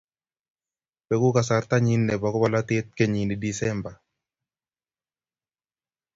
beku kasartanyin nebo bolatet kenyini disemba.